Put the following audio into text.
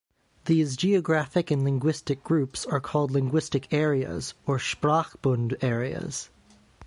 These geographic and linguistic groups are called linguistic areas, or Sprachbund areas.